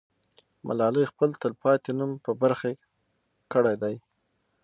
ملالۍ خپل تل پاتې نوم په برخه کړی دی.